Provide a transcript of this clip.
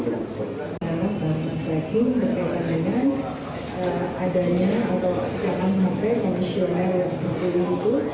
dalam kontrak kresi berkaitan dengan adanya atau kekansapian kondisi umat yang berkembang itu